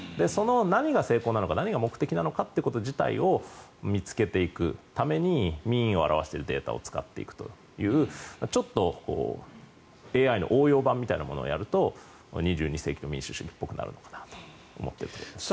何が成功なのか何が目的なのかということ自体を見つけていくために民意を表しているデータを使っていくというちょっと、ＡＩの応用版みたいなものをやると２２世紀の民主主義っぽくなるかなと思っているところです。